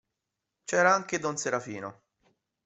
C'era anche don Serafino.